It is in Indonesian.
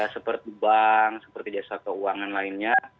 seperti bank seperti jasa keuangan lainnya